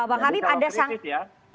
jadi kalau kritik ya banyak sekali